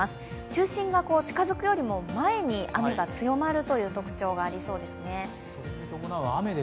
中心が近づくよりも前に雨が強まるという特徴がありそうですね。